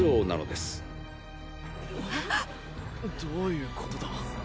どういうことだ？